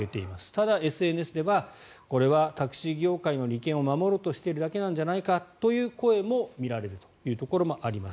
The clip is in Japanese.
ただ、ＳＮＳではこれはタクシー業界の利権を守ろうとしているだけじゃないかという声も見られるというところもあります。